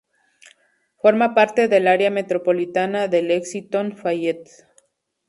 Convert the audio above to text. Forma parte del área metropolitana de Lexington–Fayette.